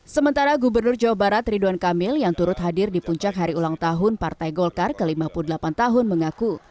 sementara gubernur jawa barat ridwan kamil yang turut hadir di puncak hari ulang tahun partai golkar ke lima puluh delapan tahun mengaku